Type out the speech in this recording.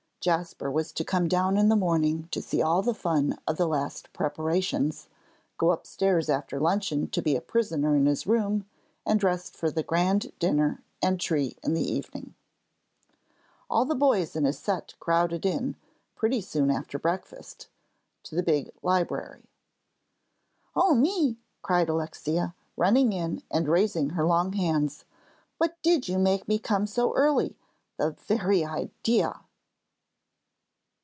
Jasper was to come down in the morning to see all the fun of the last preparations, go upstairs after luncheon to be a prisoner in his room and rest for the grand dinner and tree in the evening! All the boys in his set crowded in, pretty soon after breakfast, to the big library. "O me!" cried Alexia, running in and raising her long hands, "what did make you come so early the very idea!"